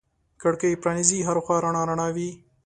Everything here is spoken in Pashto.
کړکۍ پرانیزې هر خوا رڼا رڼا وي